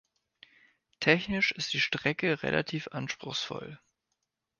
Technisch ist die Strecke relativ anspruchsvoll.